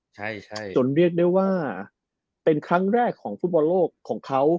ใช่ใช่จนเรียกได้ว่าเป็นครั้งแรกของฟุตบอลโลกของเขา